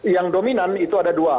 yang dominan itu ada dua